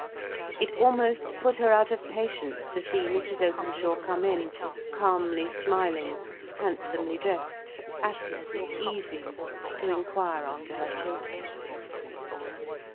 It almost put her out of patience to see Mrs. Openshaw come in, calmly smiling, handsomely dressed, happy, easy, to inquire after her children.